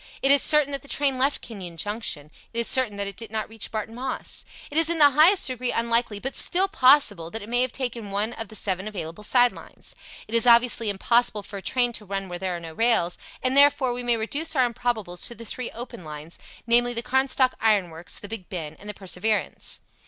It is certain that the train left Kenyon Junction. It is certain that it did not reach Barton Moss. It is in the highest degree unlikely, but still possible, that it may have taken one of the seven available side lines. It is obviously impossible for a train to run where there are no rails, and, therefore, we may reduce our improbables to the three open lines, namely the Carnstock Iron Works, the Big Ben, and the Perseverance.